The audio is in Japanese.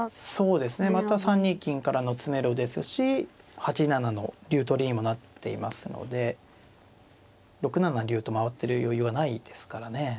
そうですねまた３二金からの詰めろですし８七の竜取りにもなっていますので６七竜と回ってる余裕はないですからね。